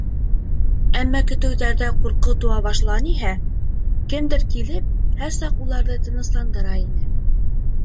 Әммә көтөүҙәрҙә ҡурҡыу тыуа башланиһә, кемдер килеп, һәр саҡ уларҙы тынысландыра ине.